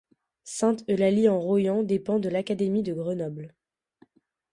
Sainte-Eulalie-en-Royans dépend de l'académie de Grenoble.